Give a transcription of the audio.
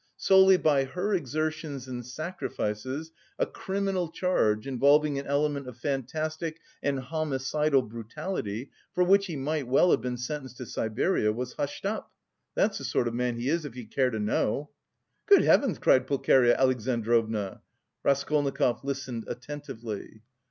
Solely by her exertions and sacrifices, a criminal charge, involving an element of fantastic and homicidal brutality for which he might well have been sentenced to Siberia, was hushed up. That's the sort of man he is, if you care to know." "Good heavens!" cried Pulcheria Alexandrovna. Raskolnikov listened attentively.